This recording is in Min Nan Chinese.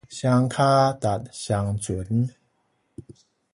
雙跤踏雙船